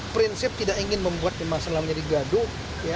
prinsip tidak ingin membuat masalah menjadi gaduh